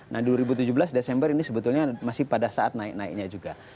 nah dua ribu tujuh belas desember ini sebetulnya masih pada saat naik naiknya juga